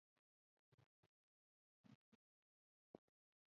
اقلیم د افغانستان د موسم د بدلون سبب کېږي.